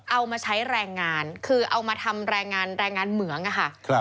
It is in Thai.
เอามาใช้แรงงานคือเอามาทำแรงงานแรงงานเหมืองอะค่ะ